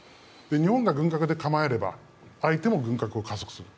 日本が軍拡で構えれば、相手も軍拡を加速する。